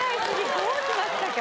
どうしましたか？